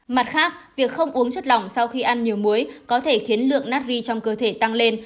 mặt khác việc không uống chất lỏng sau khi ăn nhiều muối có thể khiến lượng natri trong cơ thể tăng lên